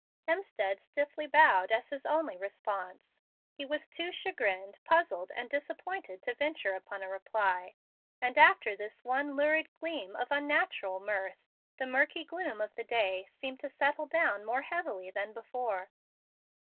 Hemstead stiffly bowed as his only response. He was too chagrined, puzzled, and disappointed to venture upon a reply, and after this one lurid gleam of unnatural mirth the murky gloom of the day seemed to settle down more heavily than before.